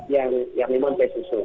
yang memang saya susun